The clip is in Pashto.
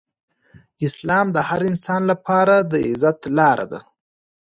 اسلام د هر انسان لپاره د عزت لاره ده.